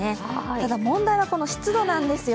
ただ、問題はこの湿度なんですよ。